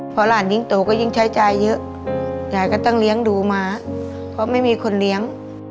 พอหลานยิ่งโตก็ยิ่งใช้จ่ายเยอะยายก็ต้องเลี้ยงดูมาเพราะไม่มีคนเลี้ยง